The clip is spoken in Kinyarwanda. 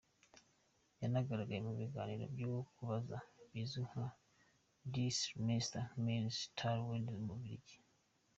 Yanagaragaye mu biganiro byo kubaza bizwi nka "De Slimste Mens ter Wereld" mu Bubiligi.